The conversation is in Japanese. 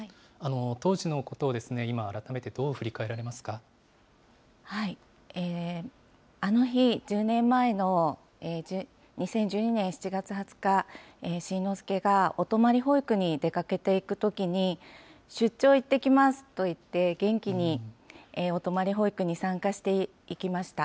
当時のことを、今、あの日、１０年前の２０１２年７月２０日、慎之介がお泊り保育に出かけていくときに、出張行ってきますと言って、元気にお泊まり保育に参加していきました。